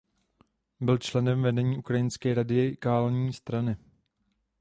Byl členem vedení Ukrajinské radikální strany.